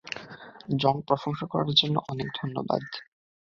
জন, প্রশংসা করার জন্য অনেক ধন্যবাদ।